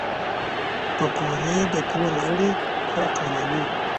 پکورې د کور غړي راټولوي